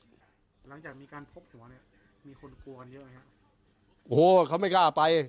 หลังจากมีการพบตัวเนี้ยมีคนกลัวกันเยอะไหมฮะโอ้โหเขาไม่กล้าไป